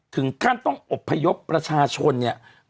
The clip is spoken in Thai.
ถึงขั้นต้องอบพยพประชาชนเนี่ย